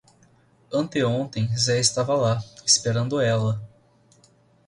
Anteontem Zé estava lá, esperando ela.